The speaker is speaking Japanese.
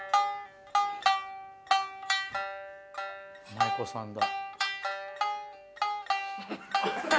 舞妓さんだ。